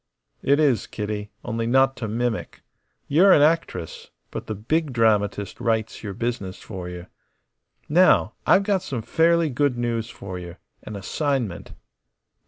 "It is, Kitty; only not to mimic. You're an actress, but the Big Dramatist writes your business for you. Now, I've got some fairly good news for you. An assignment."